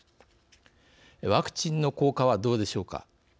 ワクチンの効果はどうでしょうか。